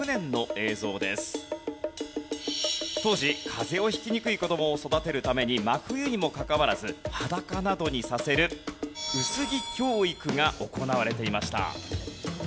当時風邪をひきにくい子どもを育てるために真冬にもかかわらず裸などにさせる薄着教育が行われていました。